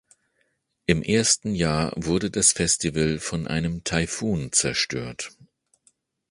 Im ersten Jahr wurde das Festival von einem Taifun zerstört.